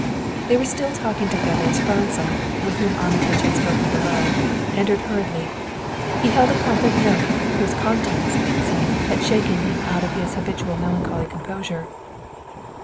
They were still talking together as Franzel, with whom Armitage had spoken below, entered hurriedly. He held a crumpled note, whose contents, it seemed, had shaken him out of his habitual melancholy composure.